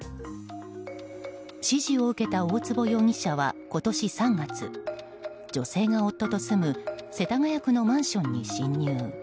指示を受けた大坪容疑者は今年３月女性が夫と住む世田谷区のマンションに侵入。